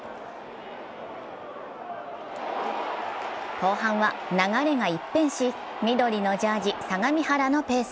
後半は流れが一変し緑のジャージー、相模原のペース。